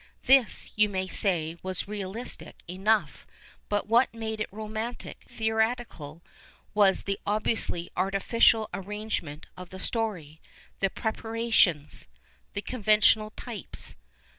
This, you may say, was realistic enough, but what made it romantic, theatrical, was the obviously artificial arrangement of the story, the " preparations,' the conventional types.